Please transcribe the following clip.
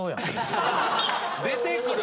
出てくる！